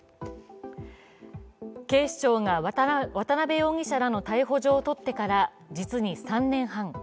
警視庁が渡辺容疑者らの逮捕状を取ってから実に３年半。